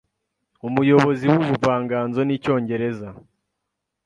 Umuyobozi w’ubuvanganzo n’icyongereza